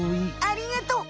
ありがとう！